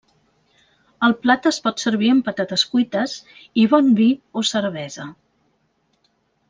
El plat es pot servir amb patates cuites i bon vi o cervesa.